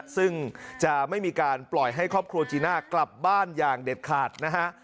ซึ่งจะไม่มีการปล่อยให้ครอบครัวจีน่ากลับบ้านอย่างเด็ดขาดนะฮะ